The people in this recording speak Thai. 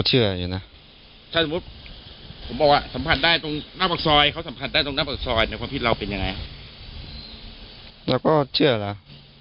คุณเชื่อเขาไหมครับ